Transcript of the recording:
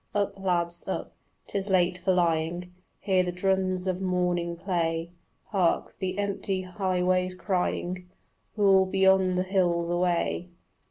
Up, lad, up, 'tis late for lying: Hear the drums of morning play; Hark, the empty highways crying "Who'll beyond the hills away?"